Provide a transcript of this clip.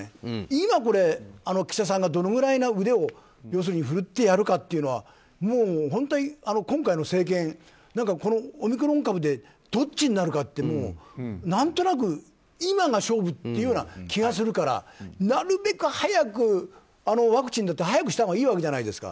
今、岸田さんがどれぐらいの腕を振るってやるかはもう、本当に今回の政権オミクロン株でどっちになるかっていうのは何となく今が勝負という気がするからなるべく早く、ワクチンだって早くしたほうがいいわけじゃないですか。